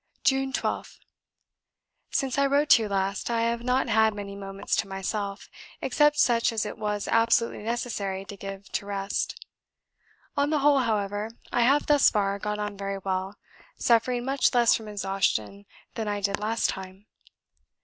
"June 12th. "Since I wrote to you last, I have not had many moments to myself, except such as it was absolutely necessary to give to rest. On the whole, however, I have thus far got on very well, suffering much less from exhaustion than I did last time.